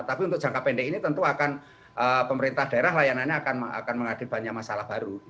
tapi untuk jangka pendek ini tentu akan pemerintah daerah layanannya akan menghadapi banyak masalah baru